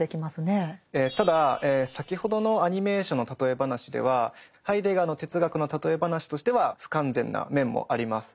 ただ先ほどのアニメーションの例え話ではハイデガーの哲学の例え話としては不完全な面もあります。